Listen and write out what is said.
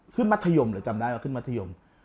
ขึ้นมัธยมเลยจำนั้นขึ้นมัธยม